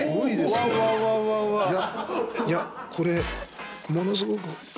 これものすごく。